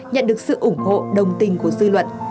nhận được sự ủng hộ đồng tình của dư luận